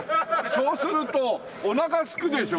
そうするとおなかすくでしょ？